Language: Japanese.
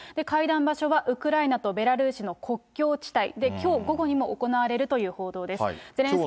会談場所は、ウクライナとベラルーシの国境地帯、きょう午後に行われるという報道です。